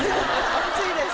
楽しいです。